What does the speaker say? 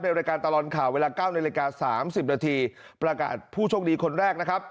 ในรายการตลอดข่าวเวลาเก้าในรายการสามสิบนาทีประกาศผู้ชกดีคนแรกนะครับ